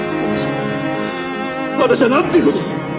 私は私はなんという事を！